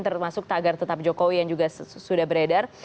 termasuk tagar tetap jokowi yang juga sudah beredar